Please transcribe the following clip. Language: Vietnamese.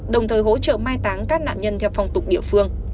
đồng thời hỗ trợ mai táng các nạn nhân theo phong tục địa phương